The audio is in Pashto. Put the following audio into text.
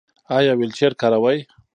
ایا ویلچیر کاروئ؟